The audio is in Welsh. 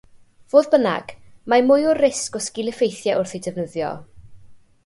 Fodd bynnag, mae mwy o risg o sgil-effeithiau wrth eu defnyddio.